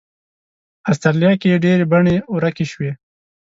استرالیا کې یې ډېرې بڼې ورکې شوې.